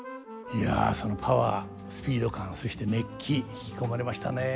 いやそのパワースピード感そして熱気引き込まれましたね。